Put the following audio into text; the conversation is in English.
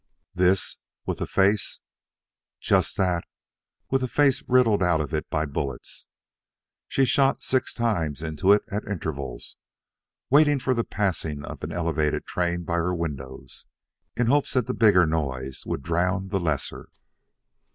"This! with the face " "Just that! With the face riddled out of it by bullets! She shot six into it at intervals; waiting for the passing of an elevated train by her windows, in the hope that the bigger noise would drown the lesser."